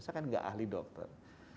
saya kan nggak ahli dokter